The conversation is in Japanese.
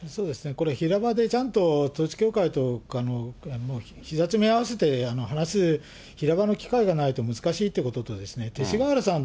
これ、平場でちゃんと統一教会とかのひざ詰め合わせて話す平場の機会がないと難しいということと、勅使河原さん